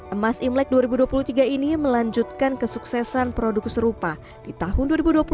emas imlek dua ribu dua puluh tiga ini melanjutkan kesuksesan produk serupa di tahun dua ribu dua puluh satu